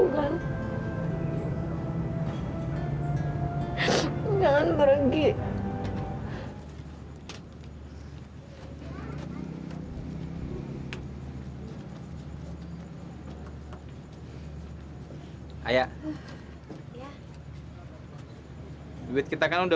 sampai jumpa di video selanjutnya